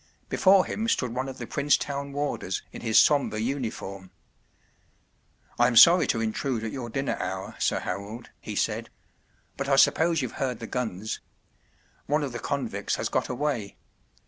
Before him stood one of the Princetown warders in his sombre uniform. ‘‘I’m sorry to intrude at your dinner hour, Sir Harold,” he said ; “ but I suppose you’ve heard the guns ? One of the convicts has got away.